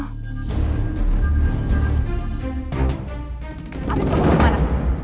abis itu aku marah